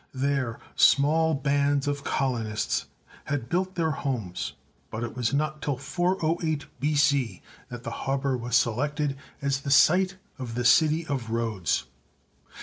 There small bands of colonists had built their homes, but it was not till 408 B.C. that the harbour was selected as the site of the city of Rhodes.